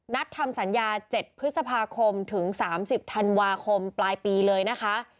ทำสัญญา๗พฤษภาคมถึง๓๐ธันวาคมปลายปีเลยนะคะ